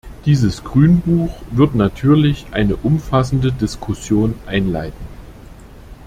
Dieses Grünbuch wird natürlich eine umfassende Diskussion einleiten.